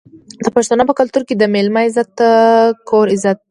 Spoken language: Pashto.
د پښتنو په کلتور کې د میلمه عزت د کور عزت دی.